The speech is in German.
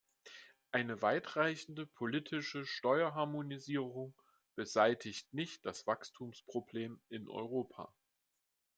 Eine weitreichende, politische Steuerharmonisierung beseitigt nicht das Wachstumsproblem in Europa.